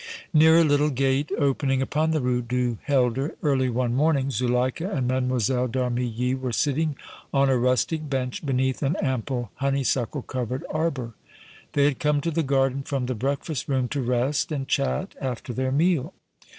Near a little gate opening upon the Rue du Helder, early one morning, Zuleika and Mlle. d' Armilly were sitting on a rustic bench beneath an ample honeysuckle covered arbor. They had come to the garden from the breakfast room to rest and chat after their meal.